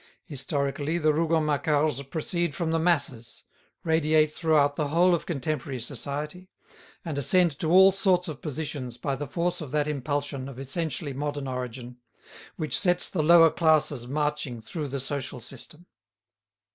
Historically the Rougon Macquarts proceed from the masses, radiate throughout the whole of contemporary society, and ascend to all sorts of positions by the force of that impulsion of essentially modern origin, which sets the lower classes marching through the social system.